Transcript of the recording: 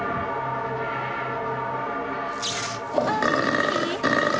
いい？